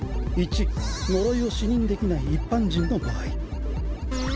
１呪いを視認できない一般人の場合。